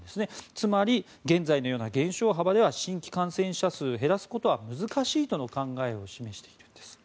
つまり、現在のような減少幅では新規感染者数を減らすことは難しいとの考えを示しているんです。